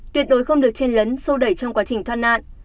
tuyệt đối không được chen lấn sô đẩy trong quá trình thoát nạn